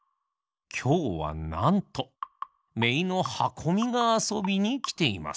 きょうはなんとめいのはこみがあそびにきています。